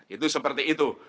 itu seperti itu